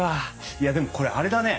いやでもこれあれだね。